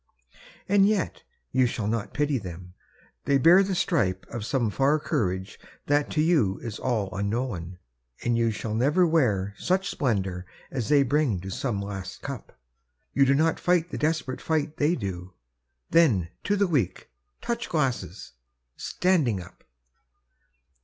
And yet you shall not pity them ! They bear The stripe of some far courage that to you Is all unknown — and you shall never wear Such splendor as they bring to some last eup ; You do not fight the desperate fight they do ; Then — ^to the Weak ! Touch glasses ! standing up